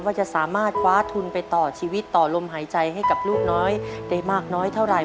ว่าจะสามารถคว้าทุนไปต่อชีวิตต่อลมหายใจให้กับลูกน้อยได้มากน้อยเท่าไหร่